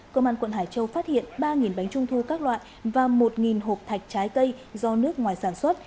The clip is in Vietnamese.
công an quận hải châu phát hiện ba bánh trung thu các loại và một hộp thạch trái cây do nước ngoài sản xuất